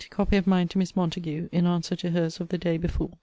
Copy of mine to Miss Montague, in answer to her's of the day before